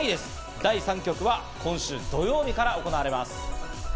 第３局は今週土曜日から行われます。